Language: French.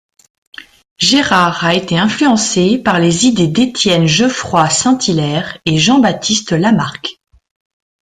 Gérard a été influencé par les idées d'Étienne Geoffroy Saint-Hilaire et Jean-Baptiste Lamarck.